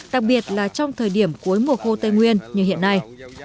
đặc biệt là trong thời điểm cuối mùa khô tây nguyên như hiện nay